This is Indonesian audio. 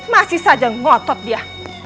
masih saja ngotot dia